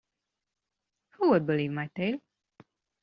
Who would believe my tale?